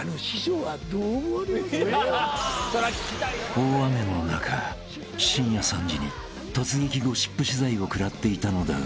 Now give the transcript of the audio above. ［大雨の中深夜３時に突撃ゴシップ取材を食らっていたのだが］